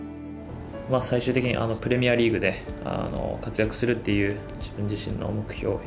最終的にプレミアリーグで活躍するっていう自分自身の目標